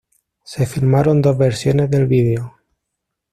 Se filmaron dos versiones del vídeo.